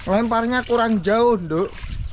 lemparnya kurang jauh duk